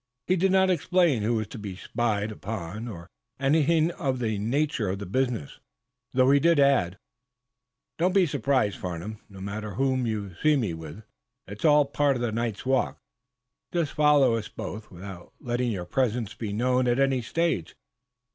He did not explain who was to be spied upon, or anything of the nature of the business, though he did add: "Don't be surprised, Farnum, no matter whom you see me with. It's all a part of the night's walk. Just follow us both, without letting your presence be known at any stage.